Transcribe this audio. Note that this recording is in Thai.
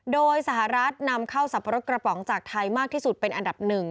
โดยสหรัฐนำเข้าสับปะรดกระป๋องจากไทยมากที่สุดเป็นอันดับหนึ่ง